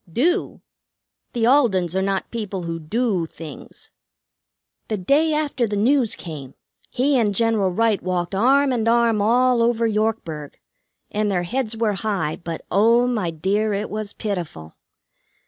"Do? The Aldens are not people who 'do' things. The day after the news came, he and General Wright walked arm and arm all over Yorkburg, and their heads were high; but oh, my dear, it was pitiful.